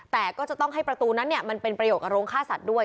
แต่ก็จะต้องให้ประตูนั้นมันเป็นประโยชนกับโรงฆ่าสัตว์ด้วย